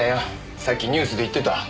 さっきニュースで言ってた。